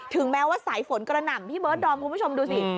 แม้ว่าสายฝนกระหน่ำพี่เบิร์ดดอมคุณผู้ชมดูสิ